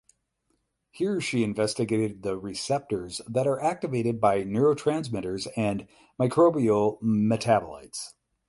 Here she investigated the receptors that are activated by neurotransmitters and microbial metabolites.